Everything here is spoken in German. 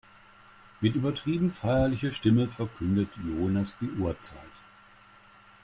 Mit übertrieben feierlicher Stimme verkündet Jonas die Uhrzeit.